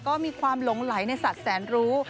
ก็มีความหลงไหลในสัตว์แสนรู้